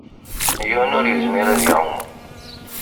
Yiwen ur yezmir ad iɛum.